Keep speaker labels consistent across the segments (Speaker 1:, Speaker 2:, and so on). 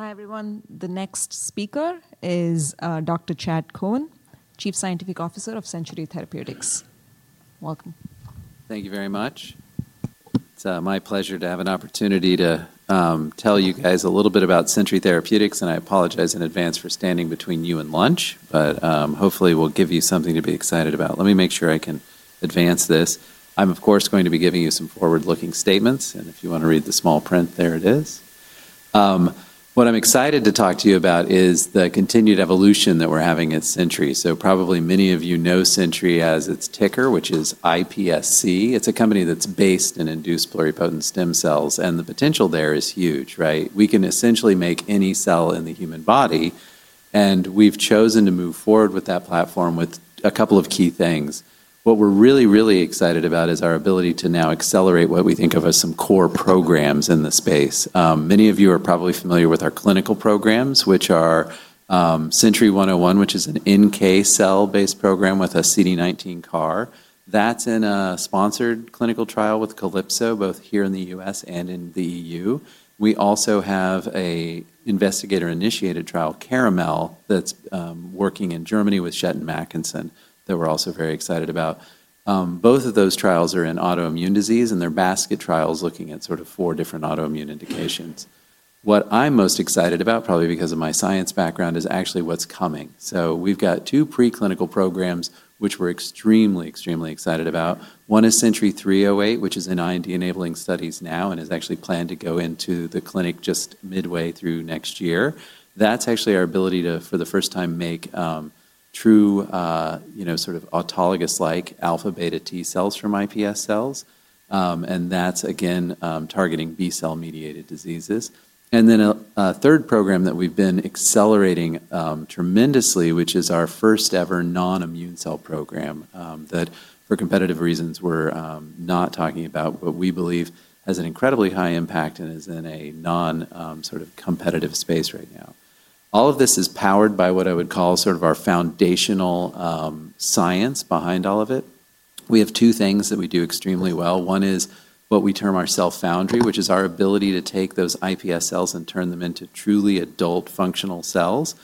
Speaker 1: Hi everyone. The next speaker is Dr. Chad Cohen, Chief Scientific Officer of Century Therapeutics. Welcome.
Speaker 2: Thank you very much. It's my pleasure to have an opportunity to tell you guys a little bit about Century Therapeutics, and I apologize in advance for standing between you and lunch, but hopefully we'll give you something to be excited about. Let me make sure I can advance this. I'm, of course, going to be giving you some forward-looking statements, and if you want to read the small print, there it is. What I'm excited to talk to you about is the continued evolution that we're having at Century. Probably many of you know Century as its ticker, which is IPSC. It's a company that's based in induced pluripotent stem cells, and the potential there is huge, right? We can essentially make any cell in the human body, and we've chosen to move forward with that platform with a couple of key things. What we're really, really excited about is our ability to now accelerate what we think of as some core programs in the space. Many of you are probably familiar with our clinical programs, which are CNTY-101, which is an NK cell-based program with a CD19 CAR. That's in a sponsored clinical trial with Calypso 1, both here in the U.S. and in the EU. We also have an investigator-initiated trial, Caramel, that's working in Germany with Shetland-McAnthon, that we're also very excited about. Both of those trials are in autoimmune disease, and they're basket trials looking at sort of four different autoimmune indications. What I'm most excited about, probably because of my science background, is actually what's coming. We've got two preclinical programs which we're extremely, extremely excited about. One is CNTY-308, which is in IND-enabling studies now and is actually planned to go into the clinic just midway through next year. That's actually our ability to, for the first time, make true, you know, sort of autologous-like alpha-beta T cells from iPSC cells, and that's again targeting B-cell-mediated diseases. A third program that we've been accelerating tremendously, which is our first ever non-immune cell program that, for competitive reasons, we're not talking about, but we believe has an incredibly high impact and is in a non-competitive space right now. All of this is powered by what I would call sort of our foundational science behind all of it. We have two things that we do extremely well. One is what we term our cell foundry, which is our ability to take those iPSC cells and turn them into truly adult functional cells.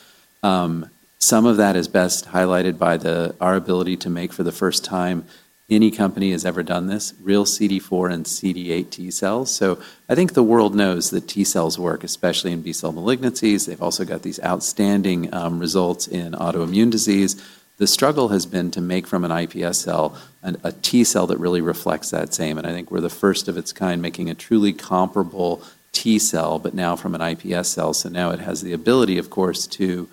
Speaker 2: Some of that is best highlighted by our ability to make, for the first time, any company has ever done this, real CD4 and CD8 T cells. I think the world knows that T cells work, especially in B-cell malignancies. They've also got these outstanding results in autoimmune disease. The struggle has been to make from an iPSC cell a T cell that really reflects that same, and I think we're the first of its kind making a truly comparable T cell, but now from an iPSC cell. Now it has the ability, of course, to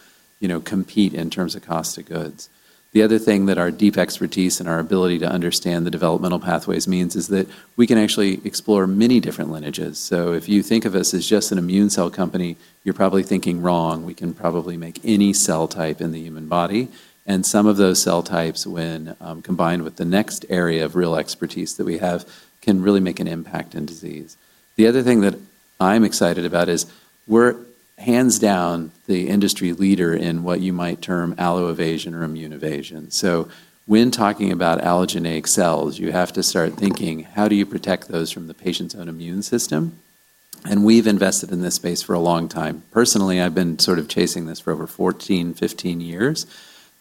Speaker 2: compete in terms of cost of goods. The other thing that our deep expertise and our ability to understand the developmental pathways means is that we can actually explore many different lineages. If you think of us as just an immune cell company, you're probably thinking wrong. We can probably make any cell type in the human body, and some of those cell types, when combined with the next area of real expertise that we have, can really make an impact in disease. The other thing that I'm excited about is we're, hands down, the industry leader in what you might term alloevasion or immune evasion. When talking about allogeneic cells, you have to start thinking, how do you protect those from the patient's own immune system? We've invested in this space for a long time. Personally, I've been sort of chasing this for over 14, 15 years.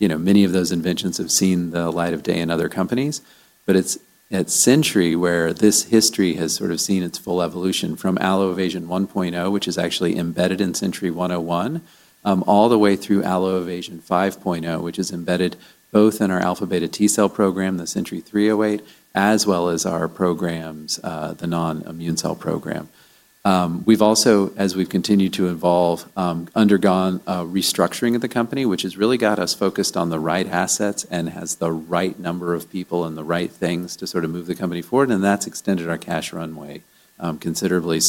Speaker 2: Many of those inventions have seen the light of day in other companies, but it's at Century Therapeutics where this history has sort of seen its full evolution from alloevasion 1.0, which is actually embedded in CNTY-101, all the way through alloevasion 5.0, which is embedded both in our alpha-beta T cell program, the CNTY-308, as well as our programs, the non-immune cell program. We've also, as we've continued to evolve, undergone a restructuring of the company, which has really got us focused on the right assets and has the right number of people and the right things to sort of move the company forward, and that's extended our cash runway considerably.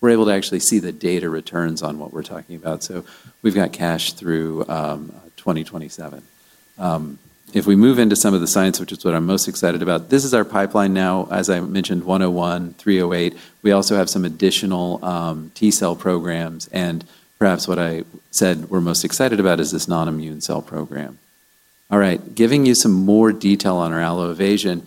Speaker 2: We're able to actually see the data returns on what we're talking about. We've got cash through 2027. If we move into some of the science, which is what I'm most excited about, this is our pipeline now, as I mentioned, 101, 308. We also have some additional T cell programs, and perhaps what I said we're most excited about is this non-immune cell program. All right, giving you some more detail on our alloevasion,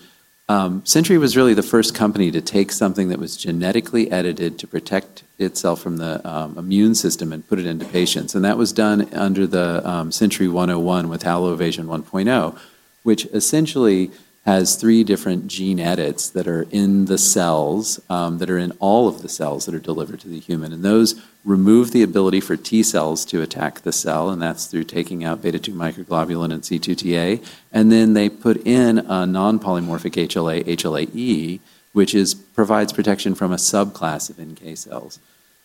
Speaker 2: Century Therapeutics was really the first company to take something that was genetically edited to protect itself from the immune system and put it into patients, and that was done under the CNTY-101 with alloevasion 1.0, which essentially has three different gene edits that are in the cells, that are in all of the cells that are delivered to the human, and those remove the ability for T cells to attack the cell, and that's through taking out beta-2 microglobulin and CIITA. They put in a non-polymorphic HLA, HLA-E, which provides protection from a subclass of NK cells.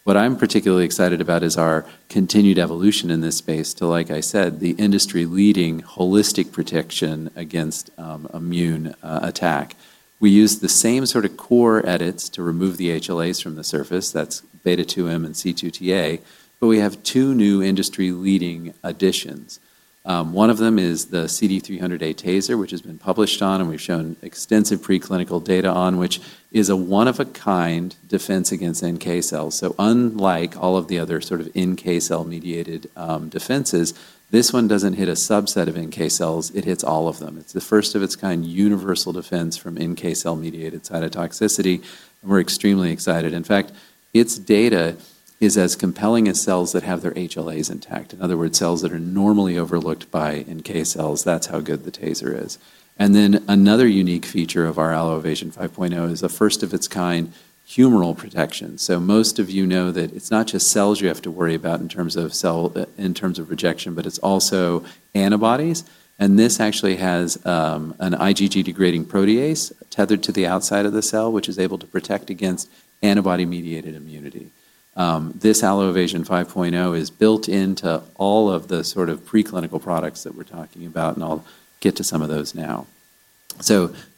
Speaker 2: What I'm particularly excited about is our continued evolution in this space to, like I said, the industry-leading holistic protection against immune attack. We use the same sort of core edits to remove the HLAs from the surface. That's beta-2m and CIITA. We have two new industry-leading additions. One of them is the CD300A “taser,” which has been published on, and we've shown extensive preclinical data on, which is a one-of-a-kind defense against NK cells. Unlike all of the other NK cell-mediated defenses, this one doesn't hit a subset of NK cells. It hits all of them. It's the first of its kind universal defense from NK cell-mediated cytotoxicity, and we're extremely excited. In fact, its data is as compelling as cells that have their HLAs intact. In other words, cells that are normally overlooked by NK cells. That's how good the taser is. Another unique feature of our alloevasion 5.0 is the first of its kind humoral protection. Most of you know that it's not just cells you have to worry about in terms of rejection, but it's also antibodies. This actually has an IgG-degrading protease tethered to the outside of the cell, which is able to protect against antibody-mediated immunity. This alloevasion 5.0 is built into all of the preclinical products that we're talking about, and I'll get to some of those now.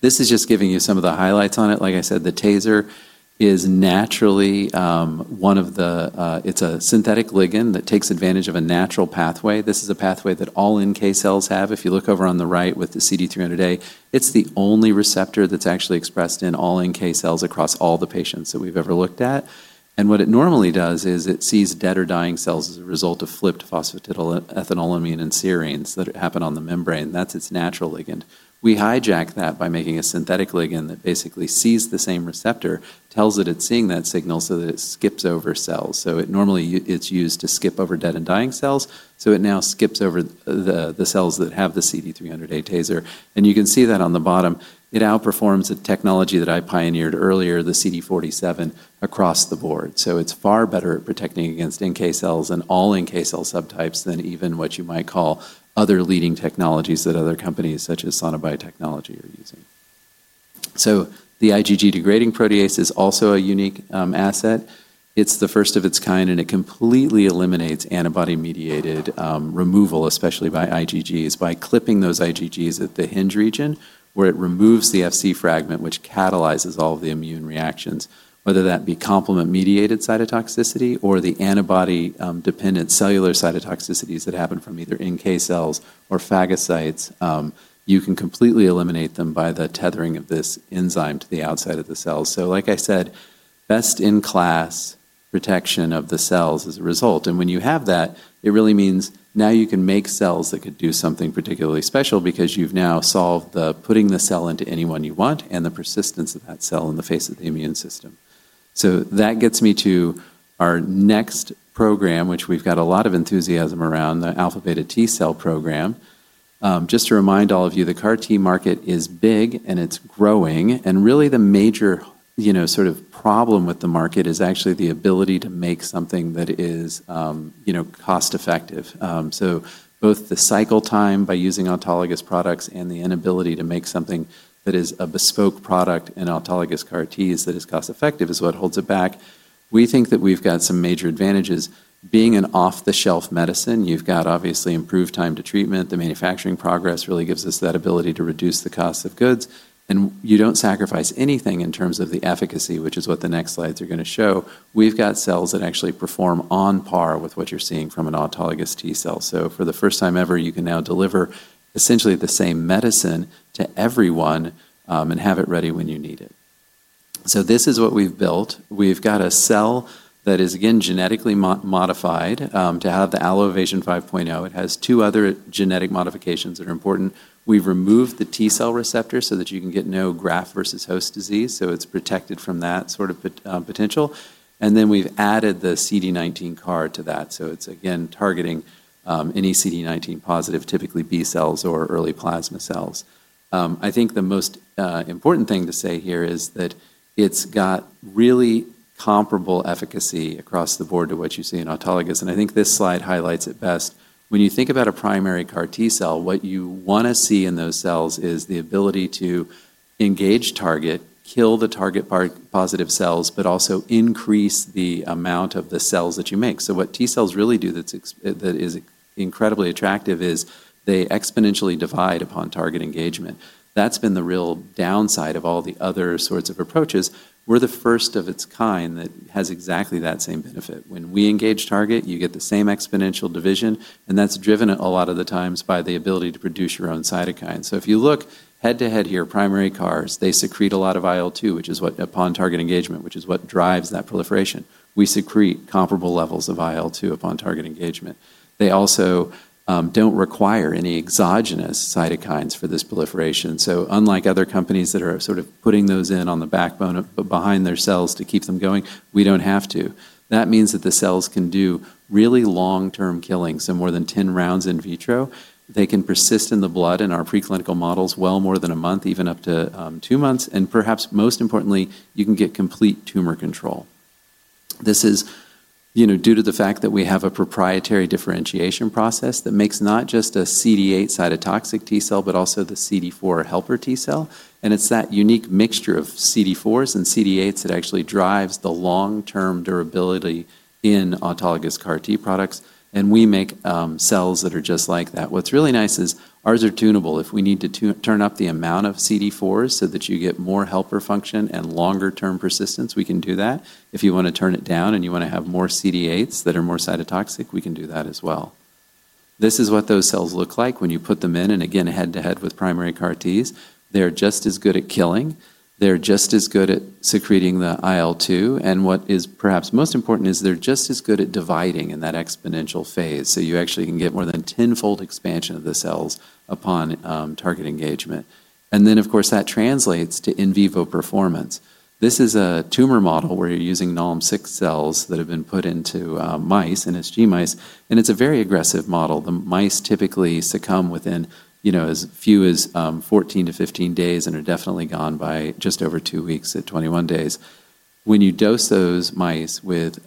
Speaker 2: This is just giving you some of the highlights on it. Like I said, the taser is naturally one of the, it's a synthetic ligand that takes advantage of a natural pathway. This is a pathway that all NK cells have. If you look over on the right with the CD300A, it's the only receptor that's actually expressed in all NK cells across all the patients that we've ever looked at. What it normally does is it sees dead or dying cells as a result of flipped phosphoethanolamine and serines that happen on the membrane. That's its natural ligand. We hijack that by making a synthetic ligand that basically sees the same receptor, tells it it's seeing that signal, so that it skips over cells. It normally is used to skip over dead and dying cells. It now skips over the cells that have the CD300A “taser,” and you can see that on the bottom. It outperforms the technology that I pioneered earlier, the CD47, across the board. It is far better at protecting against NK cells and all NK cell subtypes than even what you might call other leading technologies that other companies such as SonaBi Technology are using. The IgG-degrading protease is also a unique asset. It's the first of its kind, and it completely eliminates antibody-mediated removal, especially by IgGs, by clipping those IgGs at the hinge region where it removes the FC fragment, which catalyzes all of the immune reactions, whether that be complement-mediated cytotoxicity or the antibody-dependent cellular cytotoxicities that happen from either NK cells or phagocytes. You can completely eliminate them by the tethering of this enzyme to the outside of the cells. Like I said, best-in-class protection of the cells as a result. When you have that, it really means now you can make cells that could do something particularly special because you've now solved the putting the cell into anyone you want and the persistence of that cell in the face of the immune system. That gets me to our next program, which we've got a lot of enthusiasm around, the alpha-beta T cell program. Just to remind all of you, the CAR T market is big, and it's growing. The major sort of problem with the market is actually the ability to make something that is cost-effective. Both the cycle time by using autologous products and the inability to make something that is a bespoke product in autologous CAR Ts that is cost-effective is what holds it back. We think that we've got some major advantages. Being an off-the-shelf medicine, you've got obviously improved time to treatment. The manufacturing progress really gives us that ability to reduce the cost of goods, and you don't sacrifice anything in terms of the efficacy, which is what the next slides are going to show. We've got cells that actually perform on par with what you're seeing from an autologous T cell. For the first time ever, you can now deliver essentially the same medicine to everyone and have it ready when you need it. This is what we've built. We've got a cell that is, again, genetically modified to have the alloevasion 5.0. It has two other genetic modifications that are important. We've removed the T cell receptor so that you can get no graft versus host disease. It's protected from that sort of potential. We've added the CD19 CAR to that. It's, again, targeting any CD19 positive, typically B cells or early plasma cells. I think the most important thing to say here is that it's got really comparable efficacy across the board to what you see in autologous, and I think this slide highlights it best. When you think about a primary CAR T cell, what you want to see in those cells is the ability to engage target, kill the target positive cells, but also increase the amount of the cells that you make. What T cells really do that is incredibly attractive is they exponentially divide upon target engagement. That's been the real downside of all the other sorts of approaches. We're the first of its kind that has exactly that same benefit. When we engage target, you get the same exponential division, and that's driven a lot of the times by the ability to produce your own cytokines. If you look head-to-head here, primary CARs secrete a lot of IL-2 upon target engagement, which is what drives that proliferation. We secrete comparable levels of IL-2 upon target engagement. They also don't require any exogenous cytokines for this proliferation. Unlike other companies that are sort of putting those in on the backbone behind their cells to keep them going, we don't have to. That means that the cells can do really long-term killing, more than 10 rounds in vitro. They can persist in the blood in our preclinical models well more than a month, even up to two months. Perhaps most importantly, you can get complete tumor control. This is due to the fact that we have a proprietary differentiation process that makes not just a CD8 cytotoxic T cell, but also the CD4 helper T cell. It's that unique mixture of CD4s and CD8s that actually drives the long-term durability in autologous CAR T products, and we make cells that are just like that. What's really nice is ours are tunable. If we need to turn up the amount of CD4s so that you get more helper function and longer-term persistence, we can do that. If you want to turn it down and you want to have more CD8s that are more cytotoxic, we can do that as well. This is what those cells look like when you put them in, and again, head-to-head with primary CAR Ts. They're just as good at killing. They're just as good at secreting the IL-2. What is perhaps most important is they're just as good at dividing in that exponential phase. You actually can get more than tenfold expansion of the cells upon target engagement. Of course, that translates to in vivo performance. This is a tumor model where you're using NALM6 cells that have been put into mice, NSG mice, and it's a very aggressive model. The mice typically succumb within as few as 14 to 15 days and are definitely gone by just over two weeks at 21 days. When you dose those mice with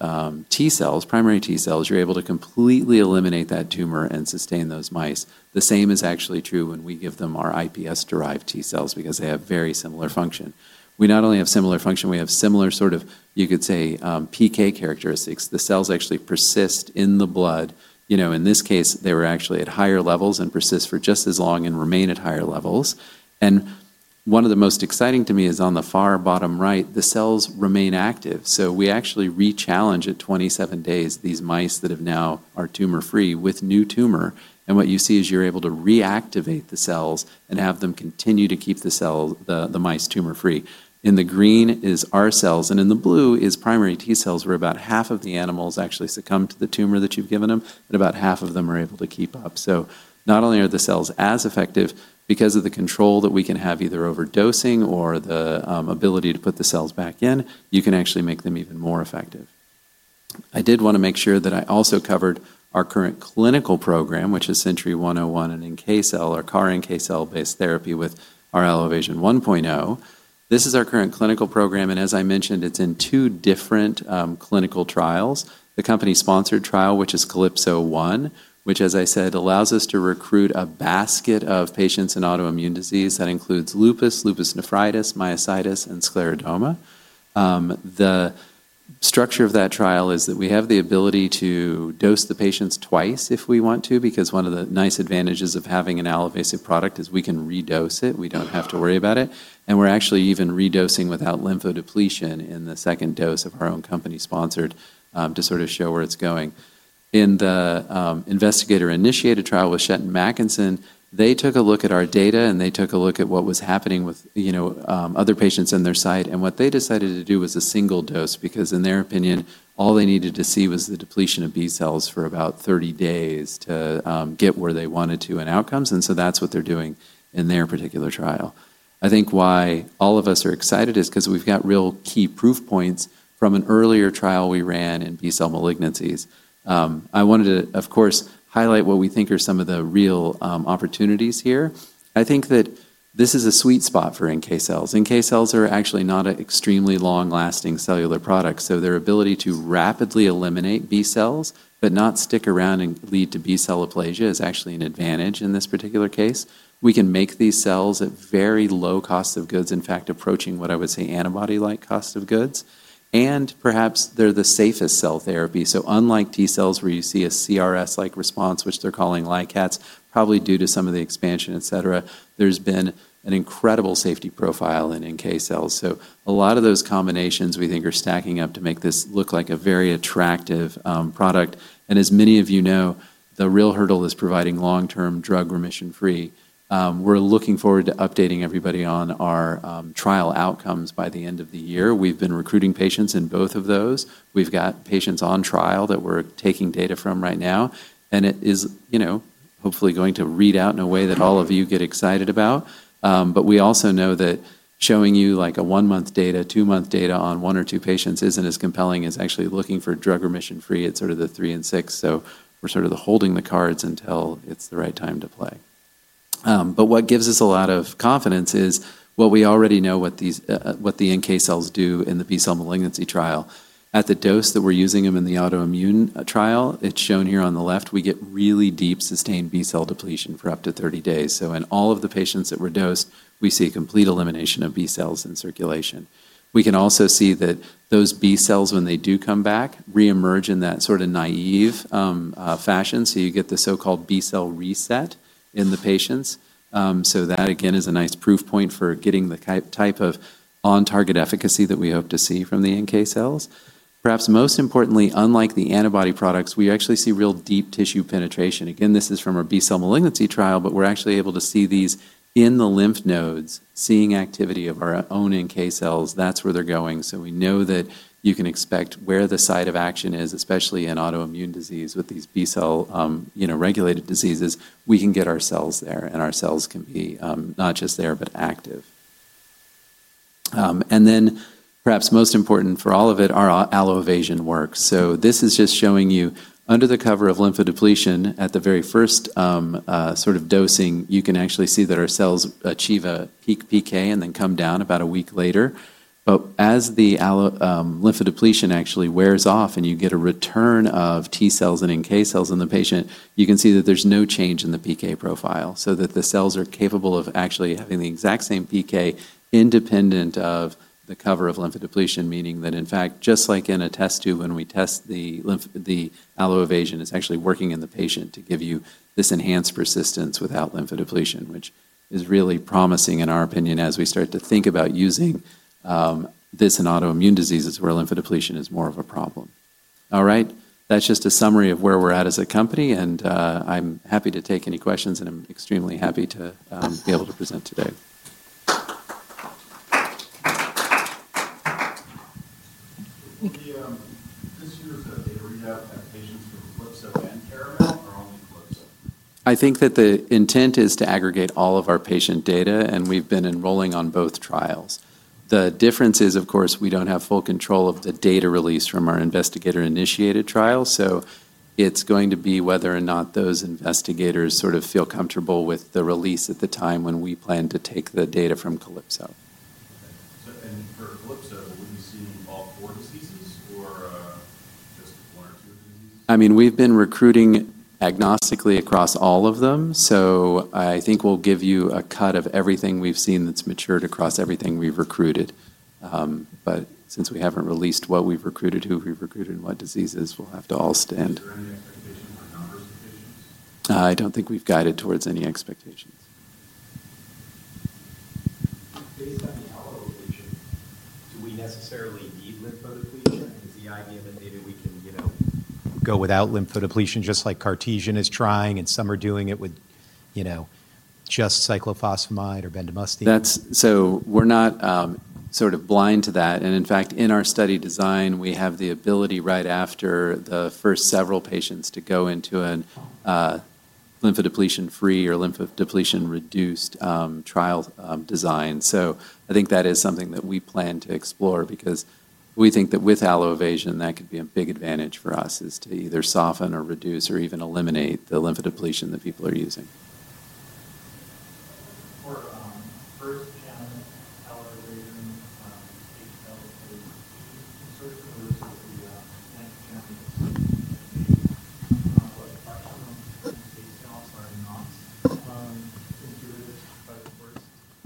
Speaker 2: T cells, primary T cells, you're able to completely eliminate that tumor and sustain those mice. The same is actually true when we give them our iPSC-derived T cells because they have very similar function. We not only have similar function, we have similar sort of, you could say, PK characteristics. The cells actually persist in the blood. In this case, they were actually at higher levels and persist for just as long and remain at higher levels. One of the most exciting to me is on the far bottom right, the cells remain active. We actually re-challenge at 27 days these mice that have now are tumor-free with new tumor. What you see is you're able to reactivate the cells and have them continue to keep the cells, the mice tumor-free. In the green is our cells, and in the blue is primary T cells, where about half of the animals actually succumb to the tumor that you've given them, and about half of them are able to keep up. Not only are the cells as effective, because of the control that we can have either overdosing or the ability to put the cells back in, you can actually make them even more effective. I did want to make sure that I also covered our current clinical program, which is CNTY-101 and NK cell, our CAR NK cell-based therapy with our alloevasion 1.0. This is our current clinical program, and as I mentioned, it's in two different clinical trials. The company-sponsored trial, which is Calypso 1, which, as I said, allows us to recruit a basket of patients in autoimmune disease. That includes lupus, lupus nephritis, myositis, and scleroderma. The structure of that trial is that we have the ability to dose the patients twice if we want to, because one of the nice advantages of having an alloevasive product is we can re-dose it. We don't have to worry about it. We're actually even re-dosing without lymphodepletion in the second dose of our own company-sponsored to sort of show where it's going. In the investigator-initiated trial with Shetland-McAnthon, they took a look at our data, and they took a look at what was happening with other patients in their site. What they decided to do was a single dose, because in their opinion, all they needed to see was the depletion of B cells for about 30 days to get where they wanted to in outcomes. That's what they're doing in their particular trial. I think why all of us are excited is because we've got real key proof points from an earlier trial we ran in B cell malignancies. I wanted to, of course, highlight what we think are some of the real opportunities here. I think that this is a sweet spot for NK cells. NK cells are actually not an extremely long-lasting cellular product. Their ability to rapidly eliminate B cells, but not stick around and lead to B cell aplasia, is actually an advantage in this particular case. We can make these cells at very low costs of goods, in fact, approaching what I would say antibody-like costs of goods. Perhaps they're the safest cell therapy. Unlike T cells where you see a CRS-like response, which they're calling LIKATs, probably due to some of the expansion, et cetera, there's been an incredible safety profile in NK cells. A lot of those combinations we think are stacking up to make this look like a very attractive product. As many of you know, the real hurdle is providing long-term drug remission-free. We're looking forward to updating everybody on our trial outcomes by the end of the year. We've been recruiting patients in both of those. We've got patients on trial that we're taking data from right now. It is, you know, hopefully going to read out in a way that all of you get excited about. We also know that showing you like a one-month data, two-month data on one or two patients isn't as compelling as actually looking for drug remission-free at sort of the three and six. We're sort of holding the cards until it's the right time to play. What gives us a lot of confidence is what we already know, what the NK cells do in the B cell malignancy trial. At the dose that we're using them in the autoimmune trial, as shown here on the left, we get really deep, sustained B cell depletion for up to 30 days. In all of the patients that were dosed, we see complete elimination of B cells in circulation. We can also see that those B cells, when they do come back, re-emerge in that sort of naive fashion. You get the so-called B cell reset in the patients. That, again, is a nice proof point for getting the type of on-target efficacy that we hope to see from the NK cells. Perhaps most importantly, unlike the antibody products, we actually see real deep tissue penetration. This is from our B cell malignancy trial, but we're actually able to see these in the lymph nodes, seeing activity of our own NK cells. That's where they're going. We know that you can expect where the site of action is, especially in autoimmune disease with these B cell regulated diseases. We can get our cells there, and our cells can be not just there, but active. Perhaps most important for all of it, our alloevasion works. This is just showing you under the cover of lymphodepletion at the very first sort of dosing, you can actually see that our cells achieve a peak PK and then come down about a week later. As the lymphodepletion actually wears off and you get a return of T cells and NK cells in the patient, you can see that there's no change in the PK profile. The cells are capable of actually having the exact same PK independent of the cover of lymphodepletion, meaning that, in fact, just like in a test tube when we test the alloevasion, it's actually working in the patient to give you this enhanced persistence without lymphodepletion, which is really promising in our opinion as we start to think about using this in autoimmune diseases where lymphodepletion is more of a problem. That's just a summary of where we're at as a company, and I'm happy to take any questions, and I'm extremely happy to be able to present today. This year's data readout that patients from Calypso and Caramel are only Calypso. I think that the intent is to aggregate all of our patient data, and we've been enrolling on both trials. The difference is, of course, we don't have full control of the data release from our investigator-initiated trial. It's going to be whether or not those investigators sort of feel comfortable with the release at the time when we plan to take the data from Calypso. For Calypso, are you seeing all four diseases or just one or two of the diseases? We've been recruiting agnostically across all of them. I think we'll give you a cut of everything we've seen that's matured across everything we've recruited. Since we haven't released what we've recruited, who we've recruited, and what diseases, we'll have to all stand. Is there any expectation for numbers of patients? I don't think we've guided towards any expectations. Based on the alloevasion, do we necessarily need lymphodepletion? Is the idea that maybe we can go without lymphodepletion just like CAR T is trying and some are doing it with just cyclophosphamide or bendamustine? We are not sort of blind to that. In fact, in our study design, we have the ability right after the first several patients to go into a lymphodepletion-free or lymphodepletion-reduced trial design. I think that is something that we plan to explore because we think that with alloevasion, that could be a big advantage for us to either soften or reduce or even eliminate the lymphodepletion that people are using.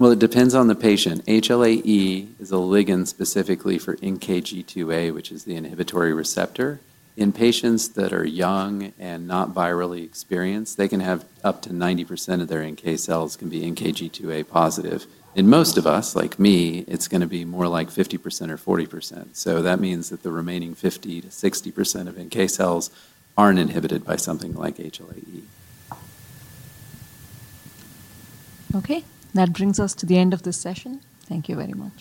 Speaker 2: For first-gen alloevasion B cells, is the insertion versus the next-gen is the NK gen? Partial lymphodepletion B cells are not intuitive by the course? It depends on the patient. HLA-E is a ligand specifically for NKG2A, which is the inhibitory receptor. In patients that are young and not virally experienced, they can have up to 90% of their NK cells be NKG2A positive. In most of us, like me, it's going to be more like 50% or 40%. That means the remaining 50% to 60% of NK cells aren't inhibited by something like HLA-E.
Speaker 1: Okay, that brings us to the end of this session. Thank you very much.